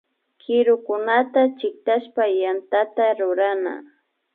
Kirukunata chiktashpa yantata rurana